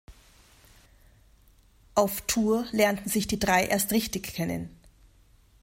Auf Tour lernten sich die drei erst richtig kennen.